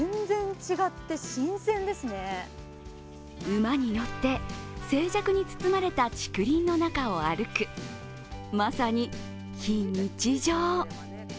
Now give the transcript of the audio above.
馬に乗って静寂に包まれた竹林の中を歩く、まさに非日常。